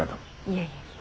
いえいえ。